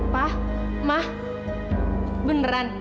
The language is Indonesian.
pa ma beneran